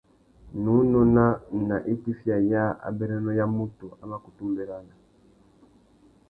Nnú nôna nà itifiya yâā abérénô ya mutu a mà kutu mʼbérana.